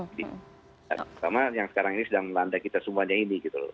karena yang sekarang ini sedang melanda kita semuanya ini